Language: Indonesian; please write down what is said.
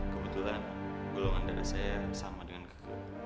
kebetulan golongan darah saya sama dengan kakak